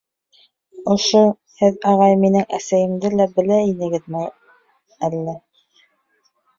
Ошо... һеҙ, ағай, минең әсәйемде лә белә инегеҙме әллә?